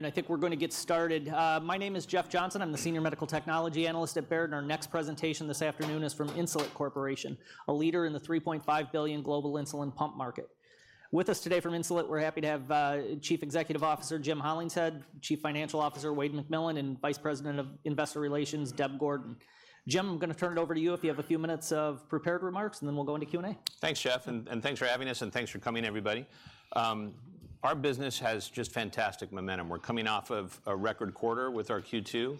I think we're gonna get started. My name is Jeff Johnson. I'm the Senior Medical Technology -Analyst at Baird, and our next presentation this afternoon is from Insulet Corporation, a leader in the $3.5 billion global insulin pump market. With us today from Insulet, we're happy to have Chief Executive Officer Jim Hollingshead, Chief Financial Officer Wayde McMillan, and Vice President of Investor Relations Deb Gordon. Jim, I'm gonna turn it over to you if you have a few minutes of prepared remarks, and then we'll go into Q&A. Thanks, Jeff, and thanks for having us, and thanks for coming, everybody. Our business has just fantastic momentum. We're coming off of a record quarter with our Q2.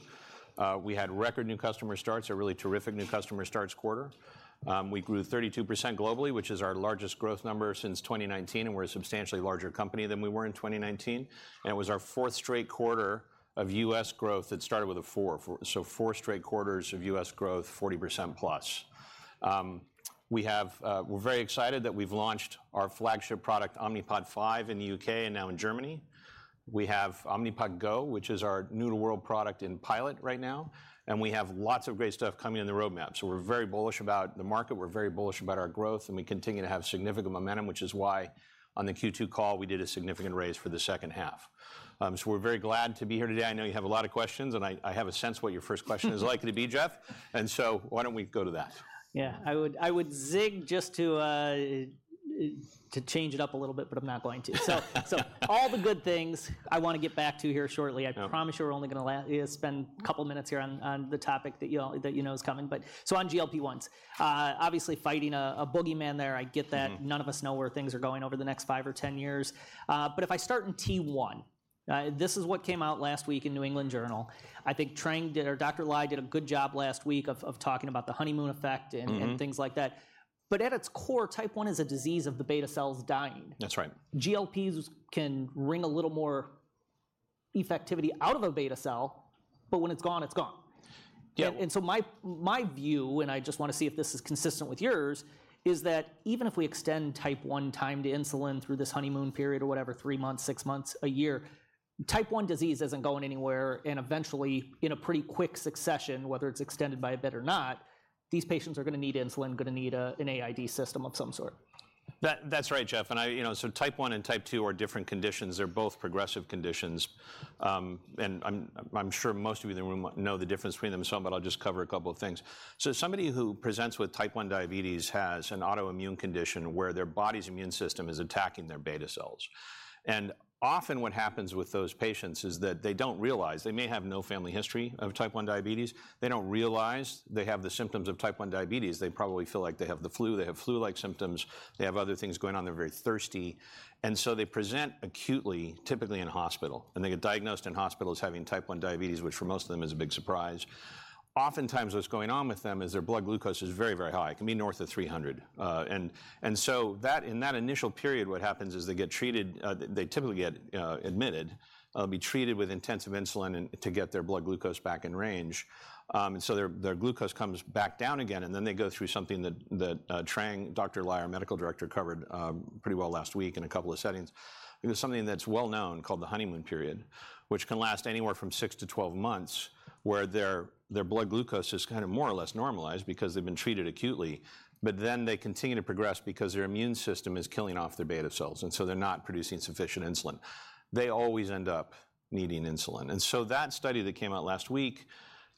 We had record new customer starts, a really terrific new customer starts quarter. We grew 32% globally, which is our largest growth number since 2019, and we're a substantially larger company than we were in 2019, and it was our fourth straight quarter of US growth that started with a four. So four straight quarters of US growth, 40%+. We have... We're very excited that we've launched our flagship product, Omnipod 5, in the U.K. and now in Germany. We have Omnipod Go, which is our new-to-world product in pilot right now, and we have lots of great stuff coming in the roadmap. So we're very bullish about the market, we're very bullish about our growth, and we continue to have significant momentum, which is why on the Q2 call, we did a significant raise for the second half. So we're very glad to be here today. I know you have a lot of questions, and I have a sense what your first question is likely to be, Jeff, and so why don't we go to that? Yeah. I would, I would zig just to, to change it up a little bit, but I'm not going to. So, so all the good things I wanna get back to here shortly. Yeah. I promise you we're only gonna spend a couple of minutes here on, on the topic that you know is coming but... So on GLP-1s. Obviously fighting a boogeyman there, I get that. Mm-hmm. None of us know where things are going over the next five or 10 years. But if I start in T1, this is what came out last week in New England Journal. I think Trang did or Dr. Ly did a good job last week of talking about the honeymoon effect and- Mm-hmm And things like that. But at its core, Type 1 is a disease of the beta cells dying. That's right. GLPs can wring a little more efficacy out of a beta cell, but when it's gone, it's gone. Yeah. So my view, and I just wanna see if this is consistent with yours, is that even if we extend Type 1 time to insulin through this honeymoon period or whatever, three months, six months, one year, Type 1 disease isn't going anywhere, and eventually, in a pretty quick succession, whether it's extended by a bit or not, these patients are gonna need insulin, are gonna need an AID system of some sort. That's right, Jeff, and I... You know, so Type 1 and Type 2 are different conditions. They're both progressive conditions. And I'm sure most of you in the room know the difference between them some, but I'll just cover a couple of things. So somebody who presents with Type 1 diabetes has an autoimmune condition where their body's immune system is attacking their Beta cells. And often, what happens with those patients is that they don't realize... They may have no family history of Type 1 diabetes. They don't realize they have the symptoms of Type 1 diabetes. They probably feel like they have the flu. They have flu-like symptoms. They have other things going on. They're very thirsty. And so they present acutely, typically in hospital, and they get diagnosed in hospital as having Type 1 diabetes, which for most of them is a big surprise. Oftentimes, what's going on with them is their blood glucose is very, very high. It can be north of 300. And so that, in that initial period, what happens is they get treated. They typically get admitted, be treated with intensive insulin and to get their blood glucose back in range. Their glucose comes back down again, and then they go through something that, that Trang Ly, our medical director, covered pretty well last week in a couple of settings. You know, something that's well known called the honeymoon period, which can last anywhere from 6-12 months, where their blood glucose is kind of more or less normalized because they've been treated acutely, but then they continue to progress because their immune system is killing off their beta cells, and so they're not producing sufficient insulin. They always end up needing insulin. And so that study that came out last week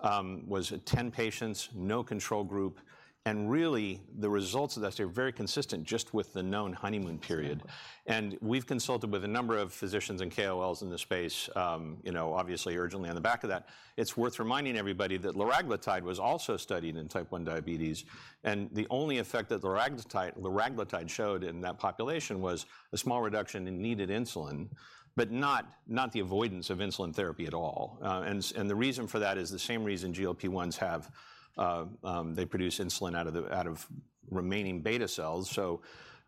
was 10 patients, no control group, and really, the results of that study are very consistent just with the known honeymoon period. Yeah. We've consulted with a number of physicians and KOLs in this space, you know, obviously urgently on the back of that. It's worth reminding everybody that liraglutide was also studied in type 1 diabetes, and the only effect that liraglutide showed in that population was a small reduction in needed insulin, but not, not the avoidance of insulin therapy at all. The reason for that is the same reason GLP-1s have, they produce insulin out of the remaining beta cells.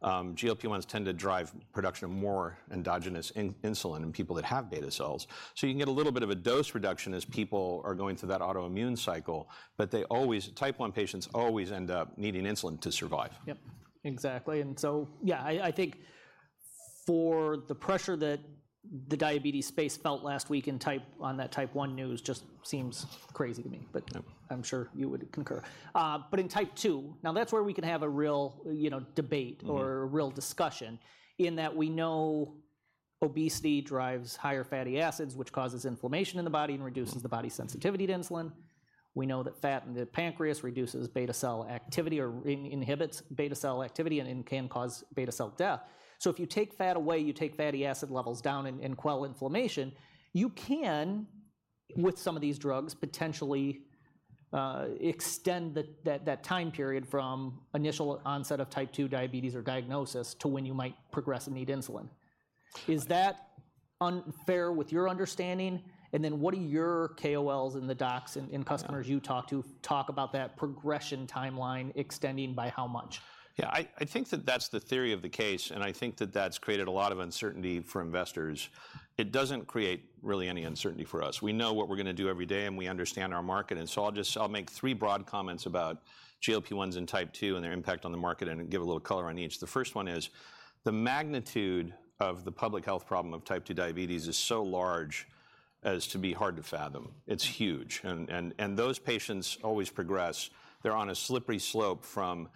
GLP-1s tend to drive production of more endogenous insulin in people that have beta cells. You can get a little bit of a dose reduction as people are going through that autoimmune cycle, but they always... Type 1 patients always end up needing insulin to survive. Yep, exactly. And so, yeah, I think the pressure that the diabetes space felt last week on that Type 1 news just seems crazy to me. Yep... but I'm sure you would concur. But in Type 2, now that's where we can have a real, you know, debate- Mm Or a real discussion, in that we know obesity drives higher fatty acids, which causes inflammation in the body and reduces- Mm The body's sensitivity to insulin. We know that fat in the pancreas reduces beta cell activity or inhibits beta cell activity and can cause beta cell death. So if you take fat away, you take fatty acid levels down and quell inflammation, you can, with some of these drugs, potentially extend that time period from initial onset of Type 2 diabetes or diagnosis to when you might progress and need insulin.... Is that unfair with your understanding? And then what do your KOLs and the docs and customers- Yeah You talk about that progression timeline extending by how much? Yeah, I, I think that that's the theory of the case, and I think that that's created a lot of uncertainty for investors. It doesn't create really any uncertainty for us. We know what we're gonna do every day, and we understand our market. And so I'll just, I'll make three broad comments about GLP-1s in Type 2 and their impact on the market and give a little color on each. The first one is, the magnitude of the public health problem of Type 2 diabetes is so large as to be hard to fathom. It's huge, and, and, and those patients always progress. They're on a slippery slope from,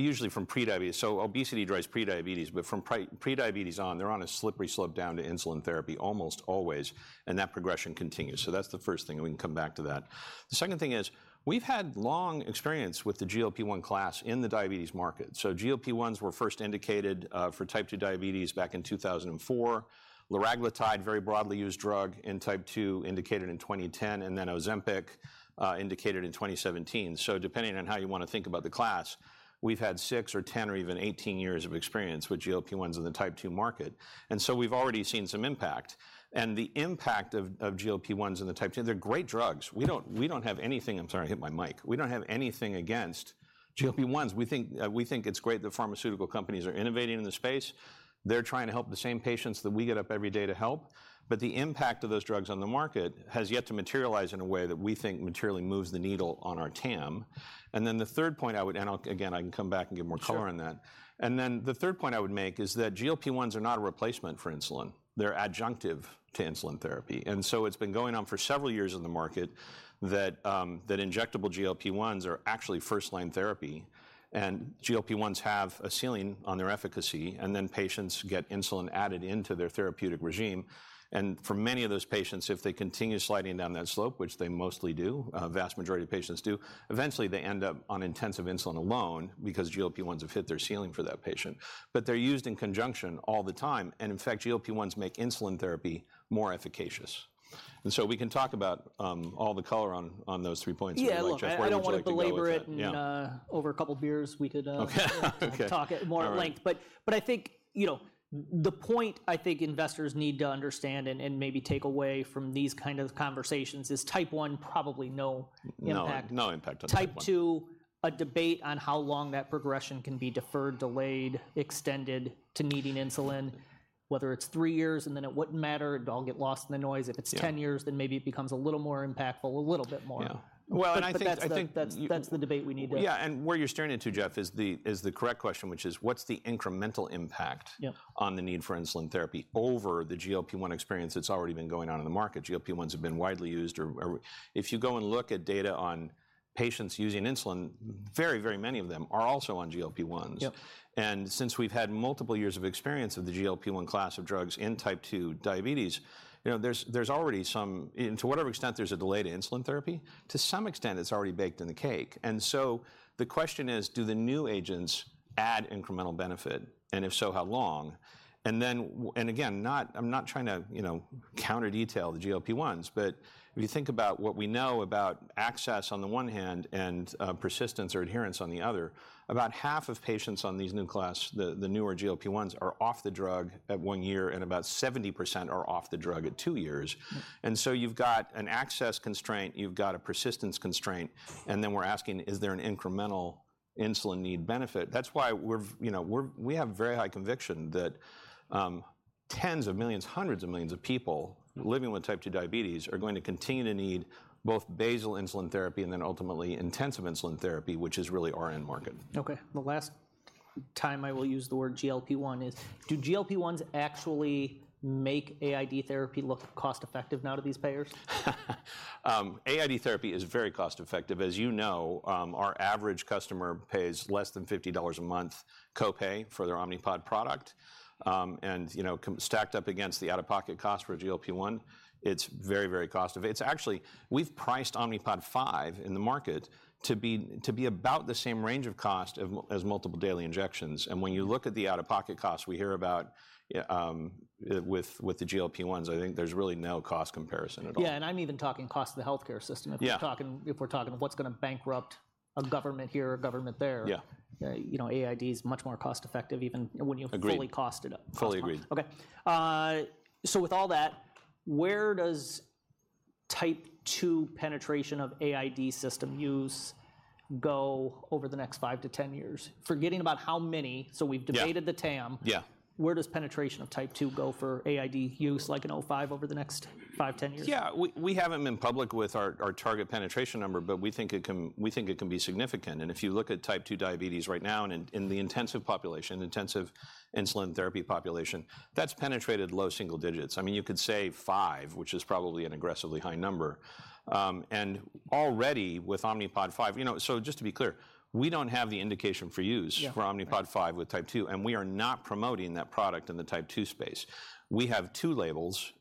usually from pre-diabetes. So obesity drives pre-diabetes, but from pre, pre-diabetes on, they're on a slippery slope down to insulin therapy, almost always, and that progression continues. So that's the first thing, and we can come back to that. The second thing is, we've had long experience with the GLP-1 class in the diabetes market. So GLP-1s were first indicated for Type 2 diabetes back in 2004. Liraglutide, very broadly used drug in Type 2, indicated in 2010, and then Ozempic indicated in 2017. So depending on how you wanna think about the class, we've had six or 10 or even 18 years of experience with GLP-1s in the Type 2 market, and so we've already seen some impact. And the impact of, of GLP-1s in the Type 2, they're great drugs. We don't, we don't have anything... I'm sorry, I hit my mic. We don't have anything against GLP-1s. We think, we think it's great that pharmaceutical companies are innovating in the space. They're trying to help the same patients that we get up every day to help. But the impact of those drugs on the market has yet to materialize in a way that we think materially moves the needle on our TAM. And then the third point I would, and I'll, again, I can come back and give more color on that. Sure. And then the third point I would make is that GLP-1s are not a replacement for insulin. They're adjunctive to insulin therapy, and so it's been going on for several years in the market that, that injectable GLP-1s are actually first-line therapy. And GLP-1s have a ceiling on their efficacy, and then patients get insulin added into their therapeutic regime. And for many of those patients, if they continue sliding down that slope, which they mostly do, vast majority of patients do, eventually, they end up on intensive insulin alone because GLP-1s have hit their ceiling for that patient. But they're used in conjunction all the time, and in fact, GLP-1s make insulin therapy more efficacious. And so we can talk about, all the color on, on those three points if you'd like. Yeah, look- Where would you like to go with that? I don't want to belabor it. Yeah. And, over a couple of beers, we could, Okay. talk it more at length. All right. But I think, you know, the point I think investors need to understand and maybe take away from these kind of conversations is Type 1, probably no impact. No, no impact on Type 1. Type 2, a debate on how long that progression can be deferred, delayed, extended to needing insulin, whether it's three years and then it wouldn't matter, it'd all get lost in the noise. Yeah. If it's 10 years, then maybe it becomes a little more impactful, a little bit more. Yeah. Well, I think, That's the debate we need to have. Yeah, and where you're steering into, Jeff, is the correct question, which is: What's the incremental impact- Yeah On the need for insulin therapy over the GLP-1 experience that's already been going on in the market? GLP-1s have been widely used. If you go and look at data on patients using insulin, very, very many of them are also on GLP-1s. Yep. And since we've had multiple years of experience of the GLP-1 class of drugs in Type 2 diabetes, you know, there's already some, and to whatever extent there's a delay to insulin therapy, to some extent it's already baked in the cake. And so the question is: Do the new agents add incremental benefit? And if so, how long? And again, not, I'm not trying to, you know, counter-detail the GLP-1s, but if you think about what we know about access on the one hand and, persistence or adherence on the other, about half of patients on these new class, the newer GLP-1s, are off the drug at one year, and about 70% are off the drug at two years. And so you've got an access constraint, you've got a persistence constraint, and then we're asking: Is there an incremental insulin need benefit? That's why we've, you know, we're we have very high conviction that tens of millions, hundreds of millions of people living with Type 2 diabetes are going to continue to need both basal insulin therapy and then ultimately intensive insulin therapy, which is really our end market. Okay, the last time I will use the word GLP-1 is: Do GLP-1s actually make AID therapy look cost-effective now to these payers? AID therapy is very cost-effective. As you know, our average customer pays less than $50 a month copay for their Omnipod product. You know, stacked up against the out-of-pocket cost for a GLP-1, it's very, very cost-effective. It's actually... We've priced Omnipod 5 in the market to be about the same range of cost as multiple daily injections. When you look at the out-of-pocket costs we hear about with the GLP-1s, I think there's really no cost comparison at all. Yeah, and I'm even talking cost to the healthcare system. Yeah. If we're talking of what's gonna bankrupt a government here or a government there- Yeah You know, AID is much more cost-effective, even when you- Agree Fully cost it up. Fully agreed. Okay, so with all that, where does Type 2 penetration of AID system use go over the next 5-10 years? Forgetting about how many, so we've- Yeah Debated the TAM. Yeah. Where does penetration of Type 2 go for AID use, like in Omnipod 5, over the next five, 10 years? Yeah, we haven't been public with our target penetration number, but we think it can be significant. And if you look at Type 2 diabetes right now and in the intensive population, intensive insulin therapy population, that's penetrated low single digits. I mean, you could say five, which is probably an aggressively high number. And already with Omnipod 5... You know, so just to be clear, we don't have the indication for use- Yeah For Omnipod 5 with Type 2, and we are not promoting that product in the Type 2 space. We have two labels,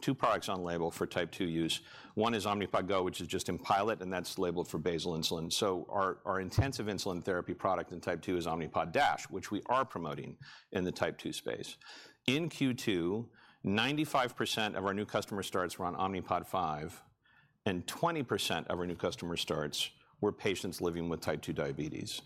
two products on label for Type 2 use. One is Omnipod Go, which is just in pilot, and that's labeled for basal insulin. So our, our intensive insulin therapy product in Type 2 is Omnipod Dash, which we are promoting in the Type 2 space. In Q2, 95% of our new customer starts were on Omnipod 5... and 20% of our new customer starts were patients living with Type 2 diabetes.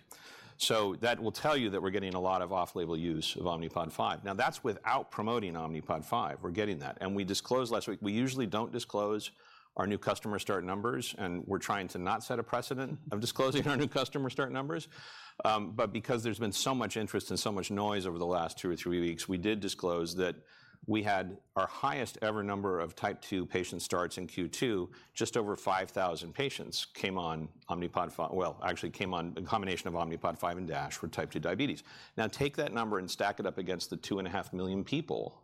So that will tell you that we're getting a lot of off-label use of Omnipod 5. Now, that's without promoting Omnipod 5. We're getting that, and we disclosed last week. We usually don't disclose our new customer start numbers, and we're trying to not set a precedent of disclosing our new customer start numbers. But because there's been so much interest and so much noise over the last two or three weeks, we did disclose that we had our highest ever number of Type 2 patient starts in Q2. Just over 5,000 patients came on Omnipod 5. Well, actually came on a combination of Omnipod 5 and Dash for Type 2 diabetes. Now, take that number and stack it up against the 2.5 million people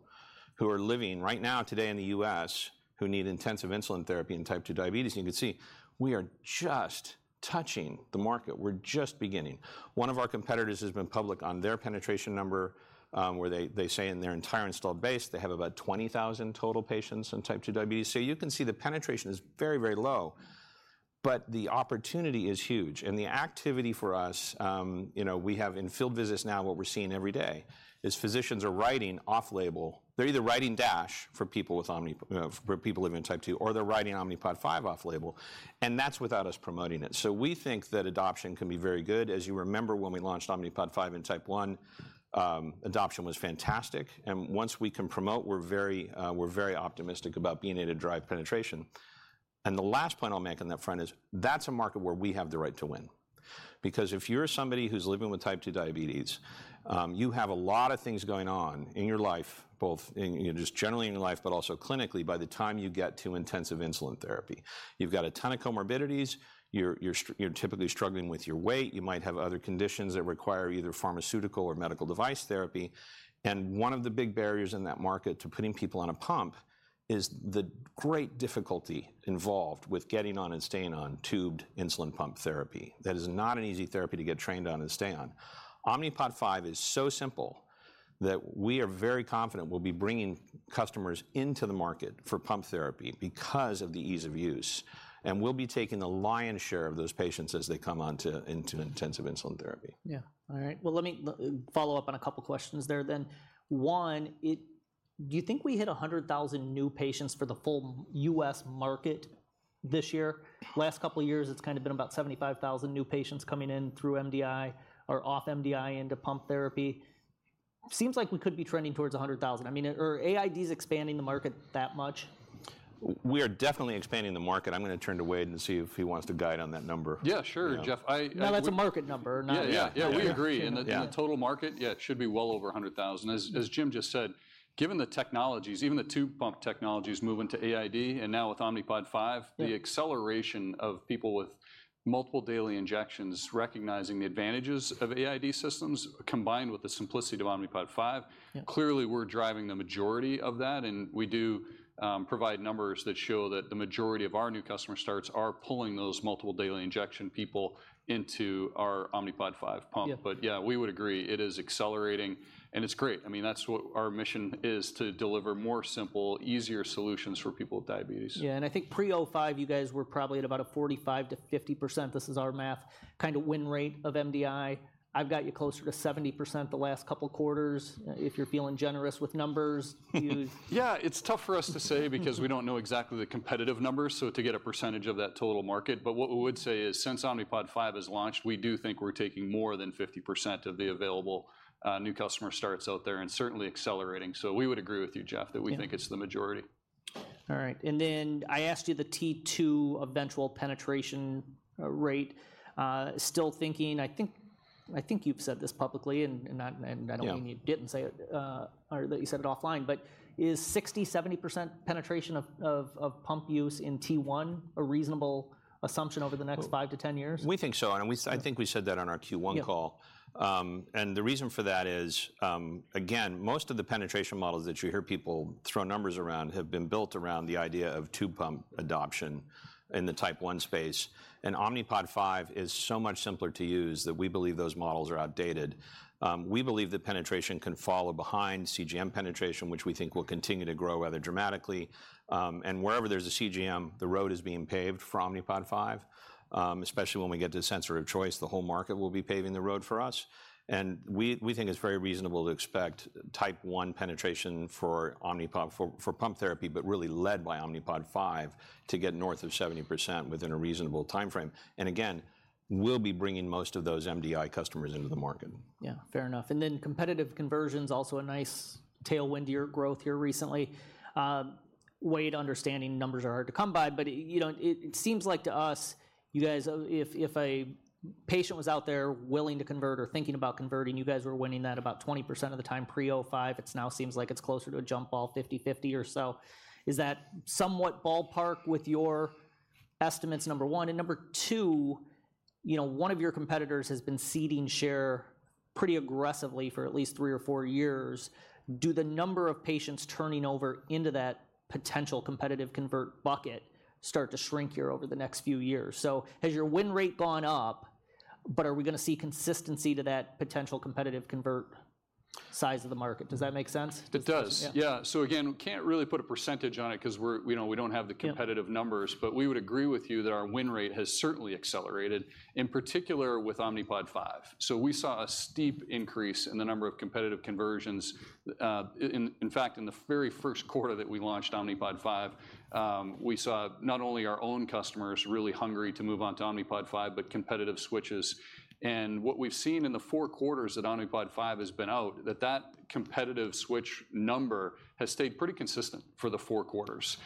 who are living right now today in the U.S., who need intensive insulin therapy and Type 2 diabetes, and you can see, we are just touching the market. We're just beginning. One of our competitors has been public on their penetration number, where they say in their entire installed base, they have about 20,000 total patients in Type 2 diabetes. So you can see the penetration is very, very low, but the opportunity is huge. And the activity for us, you know, we have in field visits now, what we're seeing every day, is physicians are writing off-label. They're either writing Dash for people with Omnipod- you know, for people living with Type 2, or they're writing Omnipod 5 off-label, and that's without us promoting it. So we think that adoption can be very good. As you remember, when we launched Omnipod 5 in Type 1, adoption was fantastic, and once we can promote, we're very, we're very optimistic about being able to drive penetration. And the last point I'll make on that front is, that's a market where we have the right to win. Because if you're somebody who's living with Type 2 diabetes, you have a lot of things going on in your life, both in, you know, just generally in your life, but also clinically, by the time you get to intensive insulin therapy. You've got a ton of comorbidities. You're typically struggling with your weight. You might have other conditions that require either pharmaceutical or medical device therapy, and one of the big barriers in that market to putting people on a pump is the great difficulty involved with getting on and staying on tubed insulin pump therapy. That is not an easy therapy to get trained on and stay on. Omnipod 5 is so simple that we are very confident we'll be bringing customers into the market for pump therapy because of the ease of use, and we'll be taking the lion's share of those patients as they come into intensive insulin therapy. Yeah. All right. Well, let me follow up on a couple of questions there, then. One, do you think we hit 100,000 new patients for the full US market this year? Last couple of years, it's kind of been about 75,000 new patients coming in through MDI or off MDI into pump therapy. Seems like we could be trending towards 100,000. I mean, are AID's expanding the market that much? We are definitely expanding the market. I'm gonna turn to Wayde and see if he wants to guide on that number. Yeah, sure, Jeff. No, that's a market number, not- Yeah, yeah. Yeah. We agree. Yeah. In the total market, yeah, it should be well over 100,000. Yeah. As, as Jim just said, given the technologies, even the tube pump technologies moving to AID, and now with Omnipod 5- Yeah The acceleration of people with multiple daily injections, recognizing the advantages of AID systems, combined with the simplicity of Omnipod 5- Yeah Clearly, we're driving the majority of that, and we do, provide numbers that show that the majority of our new customer starts are pulling those multiple daily injection people into our Omnipod 5 pump. Yeah. But yeah, we would agree. It is accelerating, and it's great. I mean, that's what our mission is, to deliver more simple, easier solutions for people with diabetes. Yeah, and I think pre-2005, you guys were probably at about a 45%-50%, this is our math, kind of win rate of MDI. I've got you closer to 70% the last couple of quarters, if you're feeling generous with numbers, you- Yeah, it's tough for us to say because we don't know exactly the competitive numbers, so to get a percentage of that total market. But what we would say is, since Omnipod 5 has launched, we do think we're taking more than 50% of the available, new customer starts out there and certainly accelerating. So we would agree with you, Jeff- Yeah That we think it's the majority. All right, and then I asked you the T2 eventual penetration rate. Still thinking, I think, I think you've said this publicly, and, and not, and I don't think- Yeah You did and say it or that you said it offline, but is 60%-70% penetration of pump use in T1 a reasonable assumption over the next 5-10 years? We think so, and we- Yeah I think we said that on our Q1 call. Yeah. The reason for that is, again, most of the penetration models that you hear people throw numbers around have been built around the idea of tube pump adoption in the Type 1 space. Omnipod 5 is so much simpler to use that we believe those models are outdated. We believe that penetration can follow behind CGM penetration, which we think will continue to grow rather dramatically. Wherever there's a CGM, the road is being paved for Omnipod 5. Especially when we get to sensor of choice, the whole market will be paving the road for us, and we think it's very reasonable to expect Type 1 penetration for Omnipod, for pump therapy, but really led by Omnipod 5, to get north of 70% within a reasonable timeframe. Again, we'll be bringing most of those MDI customers into the market. Yeah, fair enough. Competitive conversion's also a nice tailwind to your growth here recently. Wayde, understanding numbers are hard to come by, but, you know, it seems like to us, you guys, if a patient was out there willing to convert or thinking about converting, you guys were winning that about 20% of the time, pre 2005. It now seems like it's closer to a jump ball, 50/50 or so. Is that somewhat ballpark with your estimates, number one? Number two, you know, one of your competitors has been ceding share pretty aggressively for at least three or four years. Do the number of patients turning over into that potential competitive convert bucket start to shrink here over the next few years? Has your win rate gone up, but are we gonna see consistency to that potential competitive convert...size of the market. Does that make sense? It does. Yeah. Yeah, so again, we can't really put a percentage on it 'cause we're, we know we don't have the- Yeah Competitive numbers, but we would agree with you that our win rate has certainly accelerated, in particular, with Omnipod 5. So we saw a steep increase in the number of competitive conversions, in fact, in the very first quarter that we launched Omnipod 5, we saw not only our own customers really hungry to move on to Omnipod 5, but competitive switches. And what we've seen in the four quarters that Omnipod 5 has been out, that competitive switch number has stayed pretty consistent for the four quarters.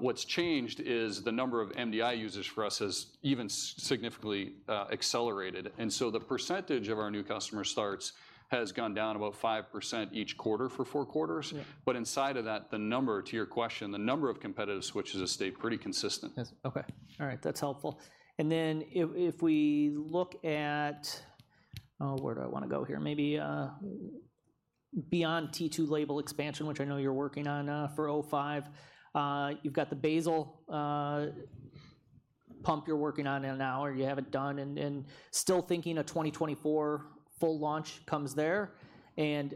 What's changed is the number of MDI users for us has even significantly accelerated. And so the percentage of our new customer starts has gone down about 5% each quarter for four quarters. Yeah. Inside of that, the number, to your question, the number of competitive switches has stayed pretty consistent. Yes. Okay. All right, that's helpful. And then if we look at... Where do I wanna go here? Maybe, beyond T2 label expansion, which I know you're working on, for Omnipod 5. You've got the basal pump you're working on it now, or you have it done, and still thinking a 2024 full launch comes there. And,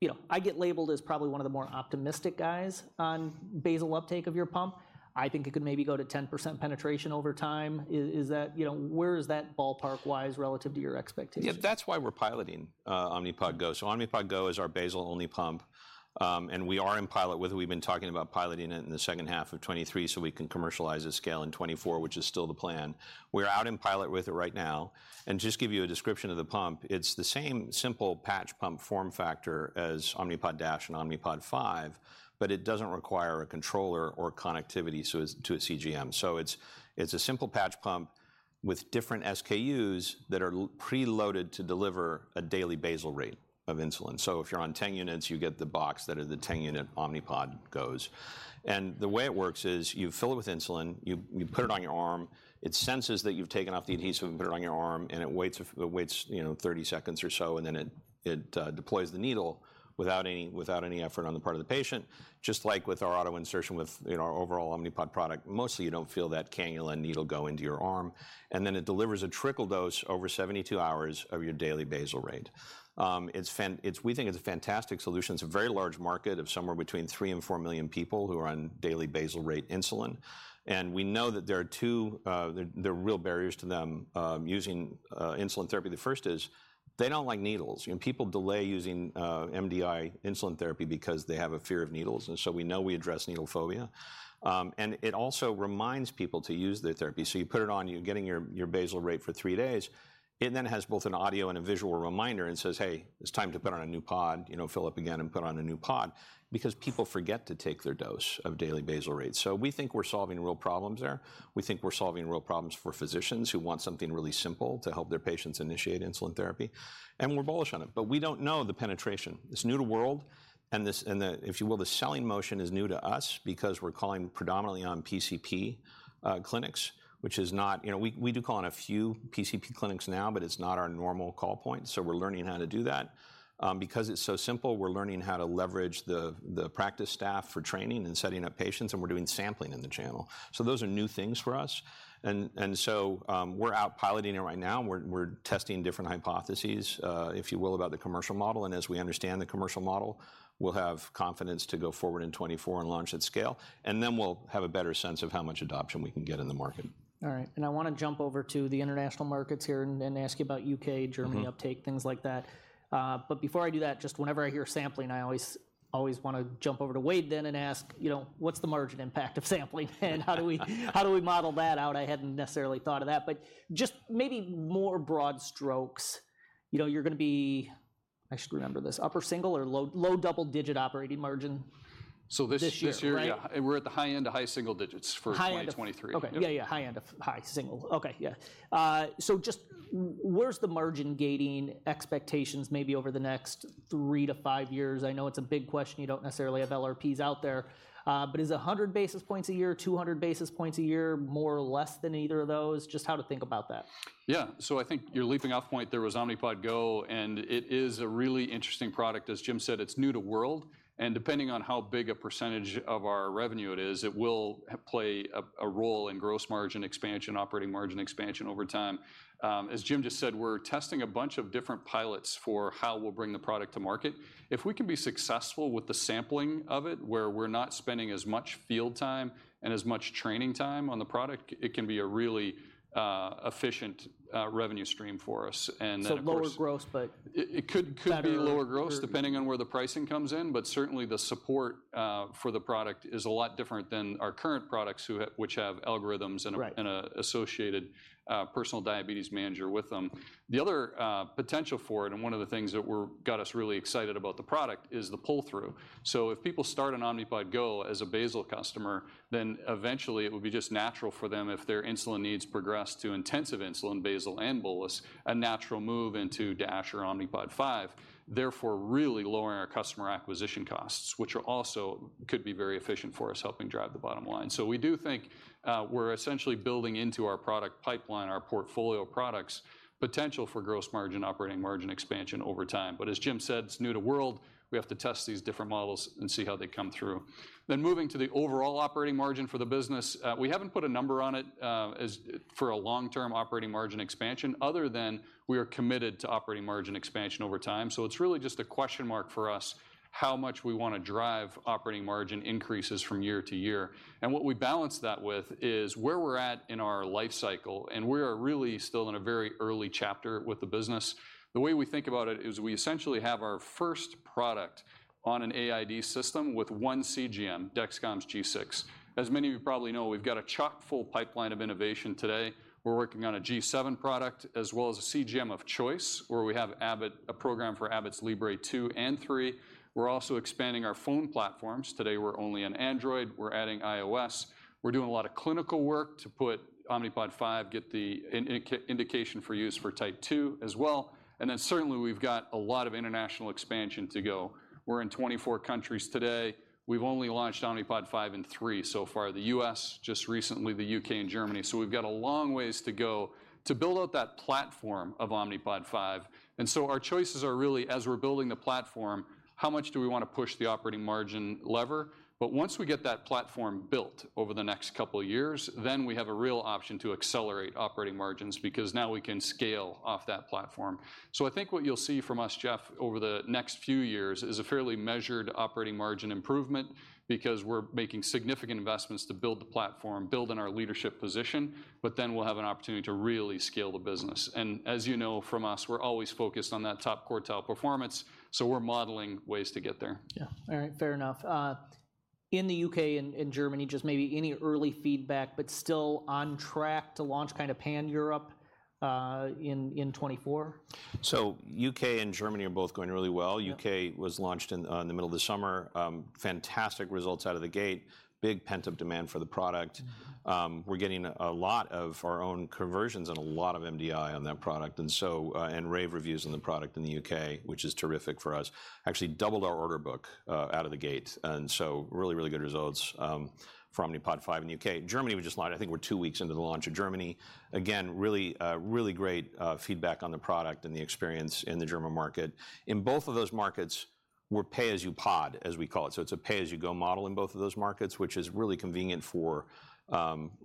you know, I get labeled as probably one of the more optimistic guys on basal uptake of your pump. I think it could maybe go to 10% penetration over time. Is that... You know, where is that ballpark-wise relative to your expectations? Yeah, that's why we're piloting Omnipod Go. So Omnipod Go is our basal-only pump, and we are in pilot with it. We've been talking about piloting it in the second half of 2023 so we can commercialize the scale in 2024, which is still the plan. We're out in pilot with it right now, and just to give you a description of the pump, it's the same simple patch pump form factor as Omnipod Dash and Omnipod 5, but it doesn't require a controller or connectivity, so it's to a CGM. So it's a simple patch pump with different SKUs that are preloaded to deliver a daily basal rate of insulin. So if you're on 10 units, you get the box that are the 10-unit Omnipod Goes. The way it works is you fill it with insulin, you put it on your arm, it senses that you've taken off the adhesive and put it on your arm, and it waits, you know, 30 seconds or so, and then it deploys the needle without any, without any effort on the part of the patient, just like with our auto insertion with, you know, our overall Omnipod product. Mostly, you don't feel that cannula needle go into your arm, and then it delivers a trickle dose over 72 hours of your daily basal rate. It's a fantastic solution. It's a very large market of somewhere between 3 million-4 million people who are on daily basal rate insulin. We know that there are two real barriers to them using insulin therapy. The first is, they don't like needles. You know, people delay using MDI insulin therapy because they have a fear of needles, and so we know we address needle phobia. And it also reminds people to use their therapy. So you put it on, you're getting your basal rate for three days. It then has both an audio and a visual reminder and says, "Hey, it's time to put on a new pod." You know, fill up again and put on a new pod because people forget to take their dose of daily basal rate. So we think we're solving real problems there. We think we're solving real problems for physicians who want something really simple to help their patients initiate insulin therapy, and we're bullish on it. But we don't know the penetration. It's new to the world, and, if you will, the selling motion is new to us because we're calling predominantly on PCP clinics, which is not... You know, we do call on a few PCP clinics now, but it's not our normal call point, so we're learning how to do that. Because it's so simple, we're learning how to leverage the practice staff for training and setting up patients, and we're doing sampling in the channel. So those are new things for us. We're out piloting it right now. We're testing different hypotheses, if you will, about the commercial model, and as we understand the commercial model, we'll have confidence to go forward in 2024 and launch at scale. Then we'll have a better sense of how much adoption we can get in the market. All right, I wanna jump over to the international markets here and ask you about U.K.- Mm-hmm Germany uptake, things like that. But before I do that, just whenever I hear sampling, I always, always wanna jump over to Wayde then and ask, you know, "What's the margin impact of sampling?" And how do we, how do we model that out? I hadn't necessarily thought of that. But just maybe more broad strokes, you know, you're gonna be, I should remember this, upper single or low, low double-digit operating margin. This year- This year, right? Yeah, and we're at the high end of high single digits for 2023. Okay. Yep. Yeah, yeah, high end of high single. Okay, yeah. So just where's the margin gating expectations maybe over the next 3-5 years? I know it's a big question. You don't necessarily have LRPs out there, but is it 100 basis points a year, 200 basis points a year, more or less than either of those? Just how to think about that. Yeah, so I think your leaping off point there was Omnipod Go, and it is a really interesting product. As Jim said, it's new to world, and depending on how big a percentage of our revenue it is, it will play a role in gross margin expansion, operating margin expansion over time. As Jim just said, we're testing a bunch of different pilots for how we'll bring the product to market. If we can be successful with the sampling of it, where we're not spending as much field time and as much training time on the product, it can be a really efficient revenue stream for us. And then, of course- Lower gross, but- It could be. Better- Lower gross, depending on where the pricing comes in, but certainly, the support for the product is a lot different than our current products which have algorithms and a- Right And an associated personal diabetes manager with them. The other potential for it, and one of the things that got us really excited about the product, is the pull-through. So if people start on Omnipod Go as a basal customer, then eventually it will be just natural for them if their insulin needs progress to intensive insulin, basal and bolus, a natural move into Dash or Omnipod 5, therefore really lowering our customer acquisition costs, which are also could be very efficient for us, helping drive the bottom line. So we do think, we're essentially building into our product pipeline, our portfolio of products, potential for gross margin, operating margin expansion over time. But as Jim said, it's new to world. We have to test these different models and see how they come through. Then moving to the overall operating margin for the business, we haven't put a number on it, as for a long-term operating margin expansion, other than we are committed to operating margin expansion over time. So it's really just a question mark for us, how much we wanna drive operating margin increases from year to year. And what we balance that with is where we're at in our life cycle, and we are really still in a very early chapter with the business. The way we think about it is we essentially have our first product on an AID system with one CGM, Dexcom's G6. As many of you probably know, we've got a chock-full pipeline of innovation today. We're working on a G7 product as well as a CGM of choice, where we have Abbott, a program for Abbott's Libre 2 and 3.We're also expanding our phone platforms. Today, we're only on Android. We're adding iOS. We're doing a lot of clinical work to put Omnipod 5, get the indication for use for Type 2 as well, and then certainly we've got a lot of International expansion to go. We're in 24 countries today. We've only launched Omnipod 5 in three so far, the US, just recently, the UK, and Germany. So we've got a long ways to go to build out that platform of Omnipod 5. And so our choices are really, as we're building the platform, how much do we wanna push the operating margin lever? But once we get that platform built over the next couple of years, then we have a real option to accelerate operating margins, because now we can scale off that platform. I think what you'll see from us, Jeff, over the next few years is a fairly measured operating margin improvement because we're making significant investments to build the platform, build on our leadership position, but then we'll have an opportunity to really scale the business. As you know from us, we're always focused on that top quartile performance, so we're modeling ways to get there. Yeah. All right, fair enough. In the U.K. and Germany, just maybe any early feedback, but still on track to launch kind of pan-Europe, in 2024? U.K. and Germany are both going really well. Yeah. U.K. was launched in the middle of the summer. Fantastic results out of the gate, big pent-up demand for the product. We're getting a lot of our own conversions and a lot of MDI on that product, and so, and rave reviews on the product in the U.K., which is terrific for us, actually doubled our order book, out of the gate, and so really, really good results from Omnipod 5 in the U.K. Germany, we just launched, I think we're two weeks into the launch in Germany.Again, really, really great feedback on the product and the experience in the German market. In both of those markets, we're pay-as-you-pod, as we call it. So it's a pay-as-you-go model in both of those markets, which is really convenient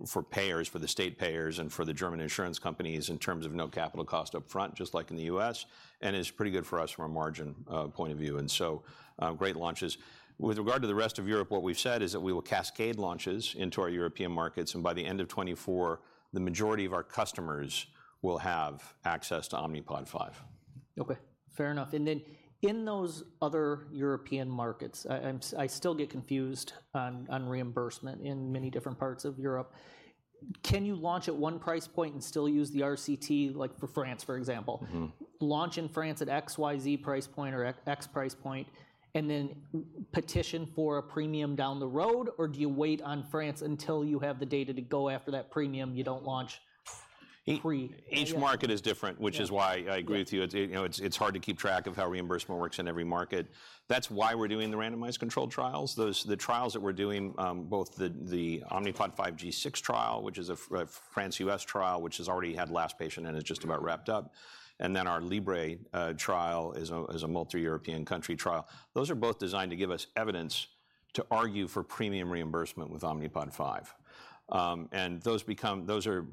for payers, for the state payers, and for the German insurance companies in terms of no capital cost upfront, just like in the U.S., and is pretty good for us from a margin point of view, and so great launches. With regard to the rest of Europe, what we've said is that we will cascade launches into our European markets, and by the end of 2024, the majority of our customers will have access to Omnipod 5. Okay, fair enough. And then in those other European markets, I still get confused on reimbursement in many different parts of Europe. Can you launch at one price point and still use the RCT, like for France, for example? Mm-hmm. Launch in France at XYZ price point or X, X price point, and then petition for a premium down the road? Or do you wait on France until you have the data to go after that premium, you don't launch pre-...? Each market is different. Yeah Which is why I agree with you. Yeah. It's, you know, it's hard to keep track of how reimbursement works in every market. That's why we're doing the randomized controlled trials. Those, the trials that we're doing, both the Omnipod 5 G6 trial, which is a France-US trial, which has already had last patient and is just about wrapped up, and then our Libre trial is a multi-European country trial. Those are both designed to give us evidence to argue for premium reimbursement with Omnipod 5. And those become those are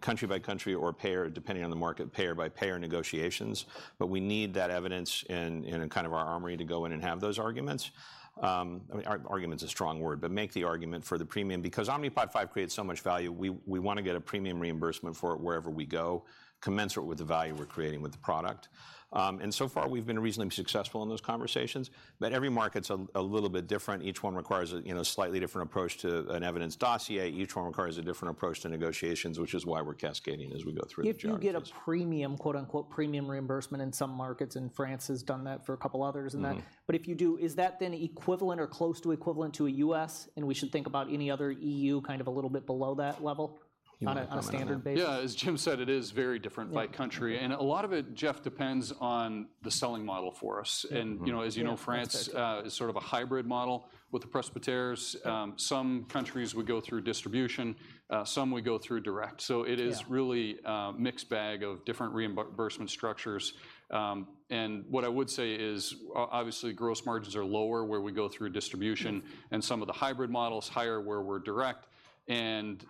country by country or payer, depending on the market, payer by payer negotiations. But we need that evidence in kind of our armory to go in and have those arguments.I mean, argument's a strong word, but make the argument for the premium because Omnipod 5 creates so much value, we wanna get a premium reimbursement for it wherever we go, commensurate with the value we're creating with the product. And so far, we've been reasonably successful in those conversations. But every market's a little bit different. Each one requires a, you know, slightly different approach to an evidence dossier. Each one requires a different approach to negotiations, which is why we're cascading as we go through the launches. If you get a premium, quote-unquote, "premium reimbursement" in some markets, and France has done that for a couple others in that- Mm-hmm But if you do, is that then equivalent or close to equivalent to a U.S., and we should think about any other EU kind of a little bit below that level on a- You know, I don't know. On a standard basis? Yeah, as Jim said, it is very different- Yeah By country. A lot of it, Jeff, depends on the selling model for us. Mm-hmm. You know, as you know, France- Yeah Is sort of a hybrid model with the prescribers. Some countries would go through distribution, some we go through direct. Yeah. It is really a mixed bag of different reimbursement structures. What I would say is obviously, gross margins are lower where we go through distribution- Mm And some of the hybrid models, higher where we're direct. And,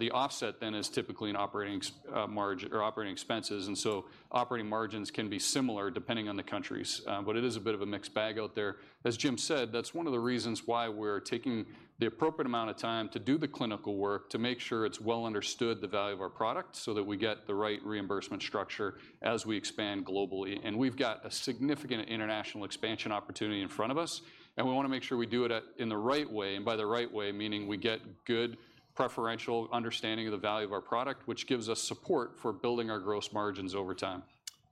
the offset then is typically in operating margin or operating expenses, and so operating margins can be similar, depending on the countries. But it is a bit of a mixed bag out there. As Jim said, that's one of the reasons why we're taking the appropriate amount of time to do the clinical work, to make sure it's well understood, the value of our product, so that we get the right reimbursement structure as we expand globally. And we've got a significant international expansion opportunity in front of us, and we wanna make sure we do it in the right way, and by the right way, meaning we get good preferential understanding of the value of our product, which gives us support for building our gross margins over time.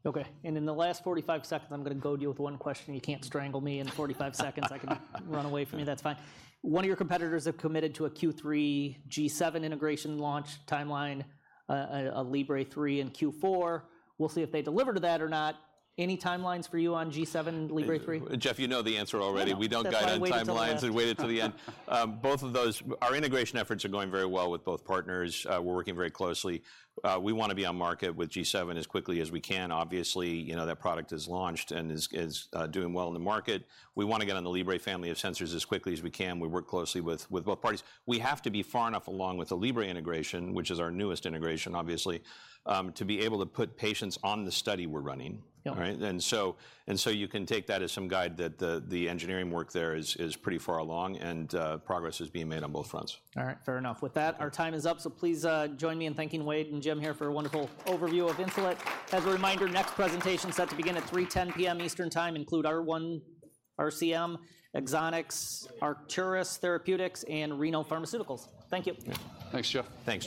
Okay, and in the last 45 seconds, I'm gonna goad you with one question. You can't strangle me in 45 seconds. I can run away from you, that's fine. One of your competitors have committed to a Q3 G7 integration launch timeline, a Libre 3 in Q4. We'll see if they deliver to that or not. Any timelines for you on G7 and Libre 3? Jeff, you know the answer already. I know. We don't guide on timelines- I waited till the- And waited till the end. Both of those, our integration efforts are going very well with both partners. We're working very closely. We wanna be on market with G7 as quickly as we can. Obviously, you know, that product is launched and is doing well in the market. We wanna get on the Libre family of sensors as quickly as we can. We work closely with both parties. We have to be far enough along with the Libre integration, which is our newest integration, obviously, to be able to put patients on the study we're running. Yeah. All right? And so you can take that as some guide that the engineering work there is pretty far along, and progress is being made on both fronts. All right, fair enough. With that, our time is up, so please, join me in thanking Wayde and Jim here for a wonderful overview of Insulet. As a reminder, next presentation is set to begin at 3:10 P.M. Eastern Time, include R1 RCM, Axonics, Arcturus Therapeutics, and Reneo Pharmaceuticals. Thank you. Thanks, Jeff. Thanks.